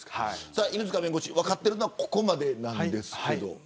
犬塚弁護士、分かっているのはここまでですけど。